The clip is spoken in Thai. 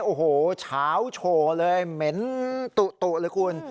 โอ้โหเฉาโชว์เลยเหม็นตุเลยคุณ